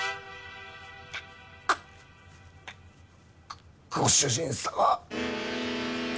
ごご主人様。